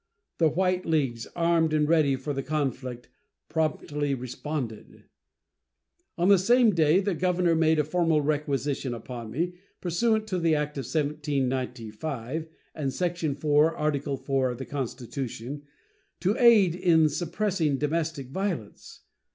The White Leagues, armed and ready for the conflict, promptly responded. On the same day the governor made a formal requisition upon me, pursuant to the act of 1795 and section 4, Article IV, of the Constitution, to aid in suppressing domestic violence.